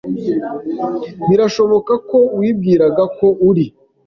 Birashoboka ko wibwiraga ko uri